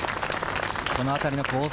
このあたりのコース